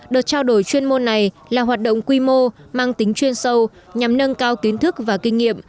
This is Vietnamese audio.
đợt trao đổi chuyên môn này là hoạt động quy mô mang tính chuyên sâu nhằm nâng cao kiến thức và kinh nghiệm